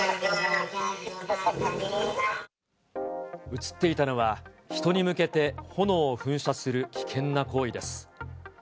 映っていたのは、人に向けて炎を噴射する危険な行為です。